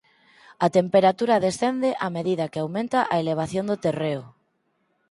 A temperatura descende a medida que aumenta a elevación do terreo.